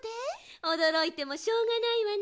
おどろいてもしょうがないわね。